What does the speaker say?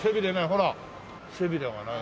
ほら背びれがない。